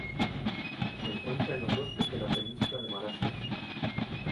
Se encuentra en los bosques en la Península de Malasia.